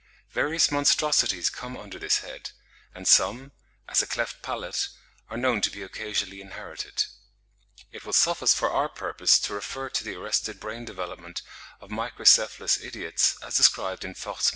Various monstrosities come under this head; and some, as a cleft palate, are known to be occasionally inherited. It will suffice for our purpose to refer to the arrested brain development of microcephalous idiots, as described in Vogt's memoir.